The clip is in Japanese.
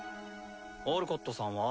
オルコットさんは？